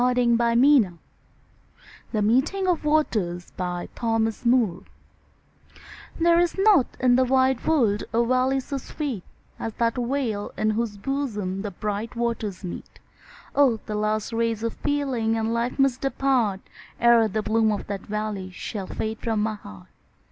SHAKESPEARE THE MEETING OF THE WATERS There is not in the wide world a valley so sweet As that vale in whose bosom the bright waters meet; Oh! the last rays of feeling and life must depart, Ere the bloom of that valley shall fade from my heart.